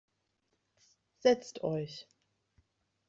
Setzt euch.